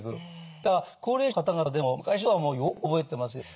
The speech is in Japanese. だから高齢者の方々でも昔のことはもうよく覚えてますよね。